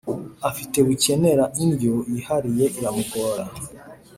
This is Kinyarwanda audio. afite bukenera indyo yihariye iramugora